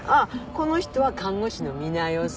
この人は看護師の三奈代さん。